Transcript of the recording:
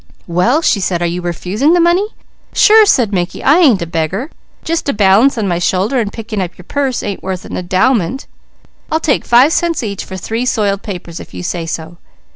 "Well!" she said. "Are you refusing the money?" "Sure!" said Mickey. "I ain't a beggar! Just a balance on my shoulder and picking up your purse ain't worth an endowment. I'll take five cents each for three soiled papers, if you say so."